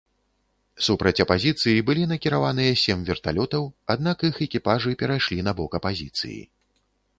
Супраць апазіцыі былі накіраваныя сем верталётаў, аднак іх экіпажы перайшлі на бок апазіцыі.